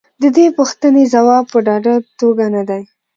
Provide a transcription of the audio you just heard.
د دې پوښتنې ځواب په ډاډه توګه نه دی.